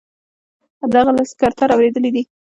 د هغه له سکرتر اوریدلي دي.